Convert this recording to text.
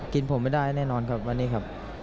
กินผมไม่ได้แน่นอนครับวันนี้ครับ